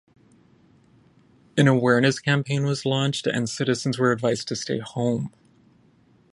An awareness campaign was launched and citizens were advised to stay home.